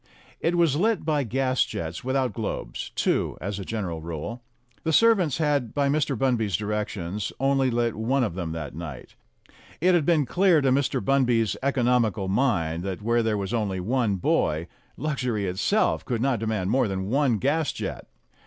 It was lit by gas jets without globes, two as a gen eral rule. The servants had by Mr. Bunby's direc tions only lit one of them that night. It had been clear to Mr. Bunby's economical mind that where there was only one boy, luxury itself could not demand more than one gas jet.